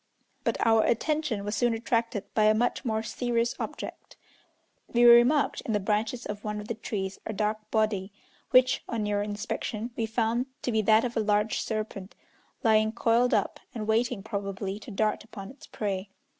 But our attention was soon attracted by a much more serious object. We remarked in the branches of one of the trees a dark body, which, on nearer inspection, we found to be that of a large serpent, lying coiled up, and waiting, probably, to dart upon its prey.